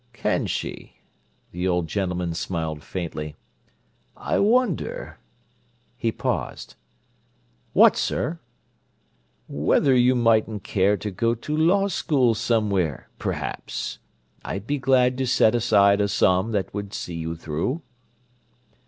"Can she?" The old gentleman smiled faintly. "I wonder—" He paused. "What, sir?" "Whether you mightn't care to go to law school somewhere perhaps. I'd be glad to set aside a sum that would see you through."